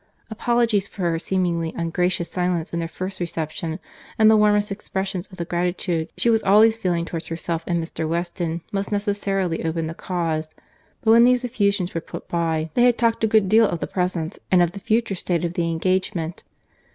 Apologies for her seemingly ungracious silence in their first reception, and the warmest expressions of the gratitude she was always feeling towards herself and Mr. Weston, must necessarily open the cause; but when these effusions were put by, they had talked a good deal of the present and of the future state of the engagement.